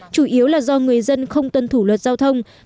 chủ yếu là do người dân không tuân thủ luật giao thông